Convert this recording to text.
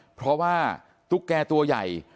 เพราะว่าตุ๊กแก่ตัวใหญ่